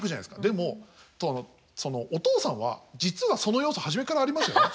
でもお父さんは実はその要素初めからありましたよね。